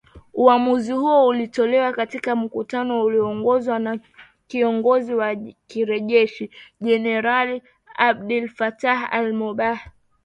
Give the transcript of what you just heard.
uamuzi huo ulitolewa katika mkutano ulioongozwa na kiongozi wa kijeshi , generali Abdel Fattah al- Burhan